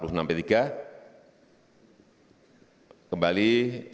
ketua umum keberadaan kita